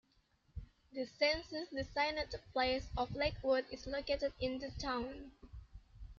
The census-designated place of Lakewood is located in the town.